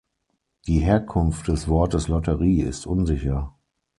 Die Herkunft des Wortes Lotterie ist unsicher.